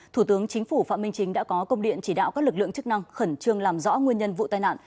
thủ tướng chính phủ phạm minh chính đã có công điện chỉ đạo các lực lượng chức năng khẩn trương làm rõ nguyên nhân vụ tai nạn